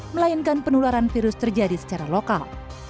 melainkan penularan virus terjadi secara lokal